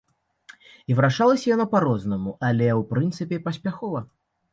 І вырашалася яна па-рознаму, але ў прынцыпе паспяхова.